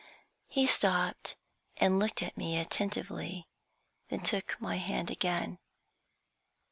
He stopped, and looked at me attentively, then took my hand again.